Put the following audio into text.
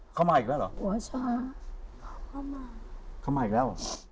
เข้ามาอีกแล้วเหรอเข้ามาอีกแล้วเหรอ